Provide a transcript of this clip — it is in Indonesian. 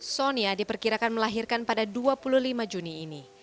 sonia diperkirakan melahirkan pada dua puluh lima juni ini